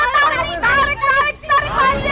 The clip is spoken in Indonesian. tarik tarik tarik